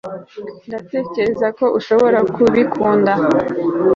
ndatekereza ko ushobora kubikunda